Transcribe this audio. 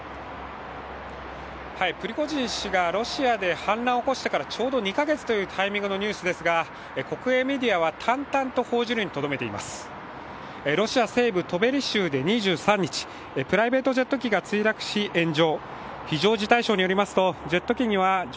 プリゴジン氏がロシアで反乱を起こしてからちょうど２か月というタイミングのニュースですが、国営メディアは淡々と報じるにとどめていますロシア西武トベリ州で２３日、プライベートジェット機が墜落し炎上。